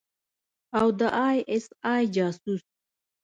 او د آى اس آى جاسوس.